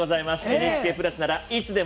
ＮＨＫプラスなら「いつでも」